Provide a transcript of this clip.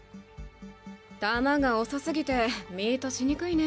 球が遅すぎてミートしにくいね。